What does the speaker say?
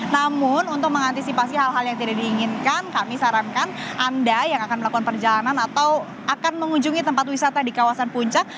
namun untuk mengantisipasi hal hal yang tidak diinginkan kami sarankan anda yang akan melakukan perjalanan atau akan mengunjungi tempat wisata di kawasan puncak